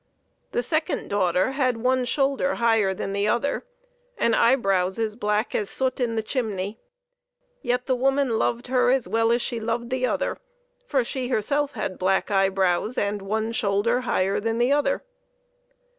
The sec ond daughter had one shoulder higher than the other, and eyebrows as black as soot in the chimney, yet the woman loved her as well as she loved the other, for she herself had black eyebrows and one shoulder higher than the other.